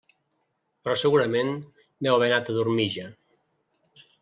Però segurament deu haver anat a dormir ja.